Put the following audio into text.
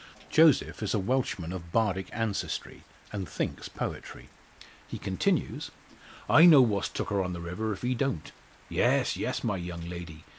Joseph is a Welshman of Bardic ancestry, and thinks poetry. He continues "I know what's took her on the river, if he don't. Yes yes, my young lady!